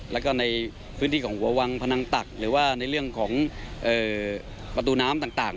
แล้วก็ในพื้นที่ของหัววังพนังตักหรือว่าในเรื่องของประตูน้ำต่าง